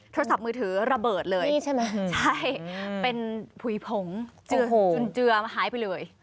โทรศัพท์มือถือระเบิดเลยใช่เป็นผุยผงจุนเจือหายไปเลย